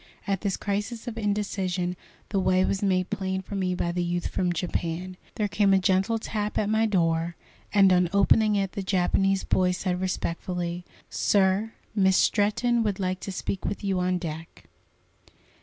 At this crisis of indecision the way was made plain for me by the youth from Japan. There came a gentle tap at my door, and on opening it the Japanese boy said respectfully: "Sir, Miss Stretton would like to speak with you on deck."